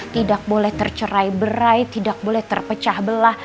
tidak boleh tercerai berai tidak boleh terpecah belah